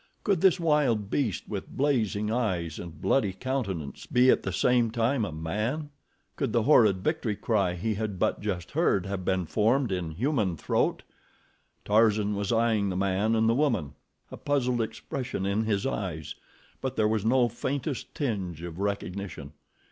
Could this wild beast, with blazing eyes, and bloody countenance, be at the same time a man? Could the horrid, victory cry he had but just heard have been formed in human throat? Tarzan was eyeing the man and the woman, a puzzled expression in his eyes, but there was no faintest tinge of recognition.